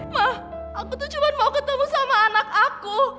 mah aku tuh cuma mau ketemu sama anak aku